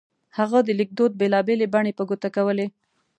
هغه د لیکدود بېلا بېلې بڼې په ګوته کولې.